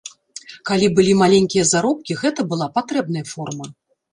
Калі былі маленькія заробкі, гэта была патрэбная форма.